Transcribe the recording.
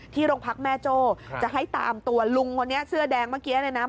ที่รกพักแม่โจ้จะให้ตามตัวลุงเฮรือแดงเมื่อกี้นะ